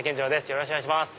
よろしくお願いします。